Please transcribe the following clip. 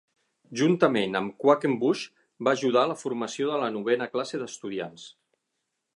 Juntament amb Quackenbush, va ajudar la formació de la novena classe d'estudiants.